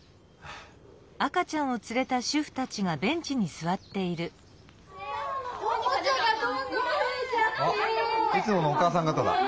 あっいつものお母さんがただ。